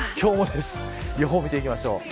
予報を見ていきましょう。